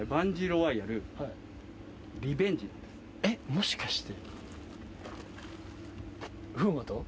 もしかして。